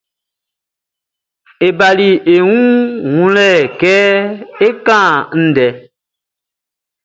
E bali ɔ wun wunlɛ kɛ é kán ndɛ.